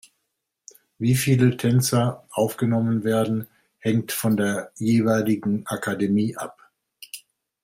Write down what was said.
Wie viele Tänzer aufgenommen werden, hängt von der jeweiligen Akademie ab.